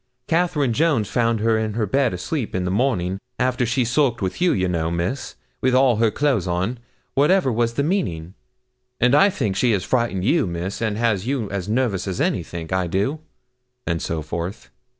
Catherine Jones found her in her bed asleep in the morning after she sulked with you, you know, Miss, with all her clothes on, what ever was the meaning; and I think she has frightened you, Miss and has you as nervous as anythink I do,' and so forth.